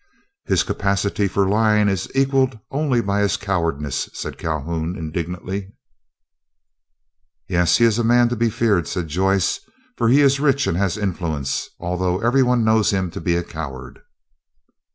"His capacity for lying is equalled only by his cowardice," said Calhoun, indignantly. "Yet he is a man to be feared," said Joyce, "for he is rich and has influence, although every one knows him to be a coward."